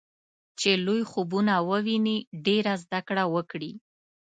چې لوی خوبونه وويني ډېره زده کړه وکړي.